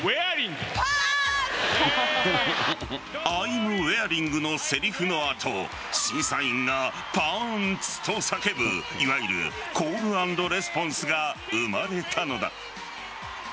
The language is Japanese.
Ｉ’ｍｗｅａｒｉｎｇのせりふの後審査員がパンツと叫ぶいわゆるコール＆レスポンスが生まれたのだ。